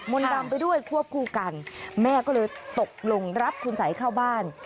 ดำไปด้วยควบคู่กันแม่ก็เลยตกลงรับคุณสัยเข้าบ้าน